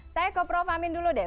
saya ke prof amin dulu deh